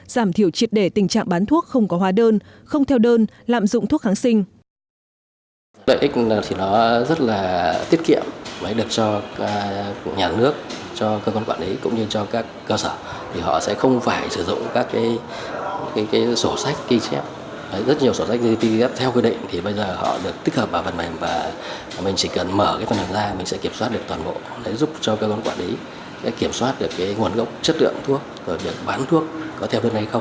giảm thiểu triệt để tình trạng bán thuốc không có hóa đơn không theo đơn lạm dụng thuốc kháng sinh